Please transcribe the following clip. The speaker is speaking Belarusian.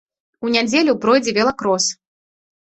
У нядзелю пройдзе велакрос.